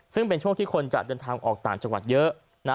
ซึ่งเป็นช่วงที่คนจะเดินทางออกต่างจังหวัดเยอะนะ